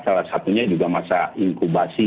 salah satunya juga masa inkubasi